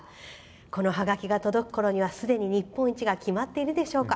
このはがきが届くころにはすでに日本一が決まっているでしょうか。